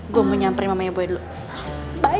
gua mau nyamperin mamanya boy dulu bye